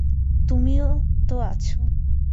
তুমিই তো আছো।